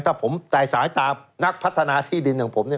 ถ้าผมได้สายตานักพัฒนาที่ดินของผม